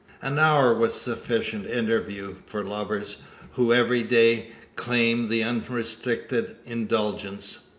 An hour was sufficient interview for lovers, who could every day claim unrestricted indulgence.